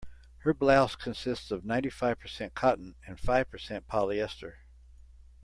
Her blouse consists of ninety-five percent cotton and five percent polyester.